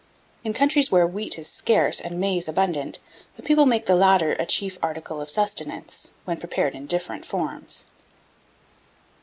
In countries where wheat is scarce and maize abundant, the people make the latter a chief article of sustenance, when prepared in different forms.